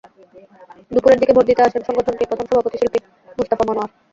দুপুরের দিকে ভোট দিতে আসেন সংগঠনটির প্রথম সভাপতি শিল্পী মুস্তাফা মনোয়ার।